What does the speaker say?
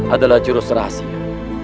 adalah jurus rahasia